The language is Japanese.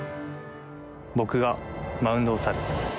僕が、マウンドを去る。